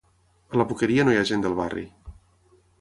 A la Boqueria no hi ha gent del barri.